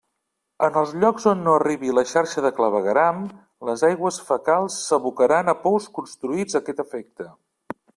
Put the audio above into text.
En els llocs on no arribi la xarxa de clavegueram, les aigües fecals s'abocaran a pous construïts a aquest efecte.